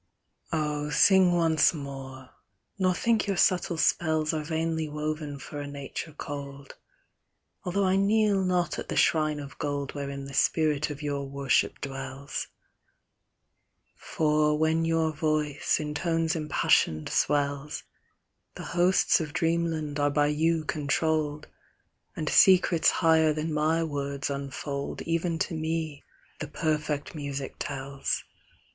Oh, sing once more, nor think your subtle spells Are vainly woven for a nature cold. Although I kneel not at the shrine of gold Wherein the spirit of your Avorship dwells : For when your voice in tones impassioned swells, The hosts of Dreamland are by you controlled, And secrets higher than my words unfold Even to me the perfect music tells.